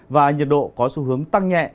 và nhiệt độ có xu hướng tăng nhẹ